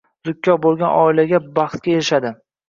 zukko bo‘lgan oilagina baxtga erishadi.